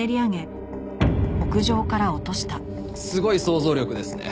すごい想像力ですね。